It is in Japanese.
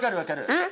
えっ。